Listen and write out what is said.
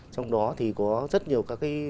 trong đó thì có rất nhiều